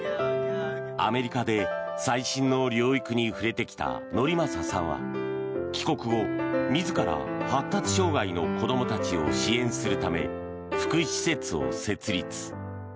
アメリカで最新の療育に触れてきた典雅さんは帰国後、自ら発達障害の子どもたちを支援するため福祉施設を設立。